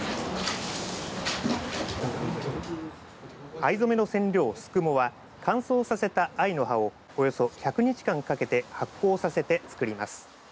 藍染めの染料、すくもは乾燥させた藍の葉をおよそ１００日間かけて発酵させて作ります。